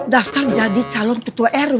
daftar jadi calon ketua rw